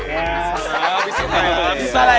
iya abis itu